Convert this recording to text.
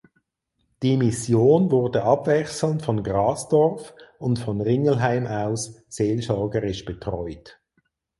Die Mission wurde abwechselnd von Grasdorf und von Ringelheim aus seelsorgerisch betreut.